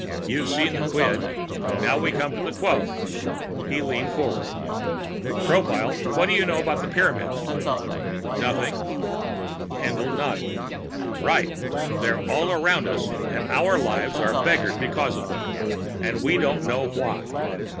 You've seen the quid. Now we come to the quo." He leaned forward. "Tropile, what do you know about the Pyramids?" "Nothing." Haendl nodded. "Right. They're all around us and our lives are beggared because of them. And we don't even know why.